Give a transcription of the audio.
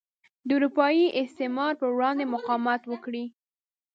د اروپايي استعمار پر وړاندې مقاومت وکړي.